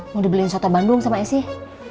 mau dibeliin soto bandung sama esi